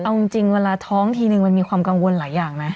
เอาจริงเวลาท้องทีนึงมันมีความกังวลหลายอย่างนะ